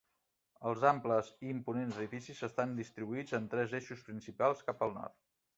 Els amplis i imponents edificis estan distribuïts en tres eixos principals cap al nord.